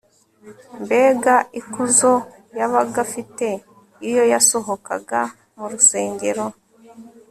mbega ikuzo yabaga afite iyo yasohokaga mu rusengero